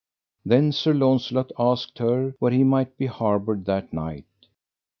Then Sir Launcelot asked her where he might be harboured that night.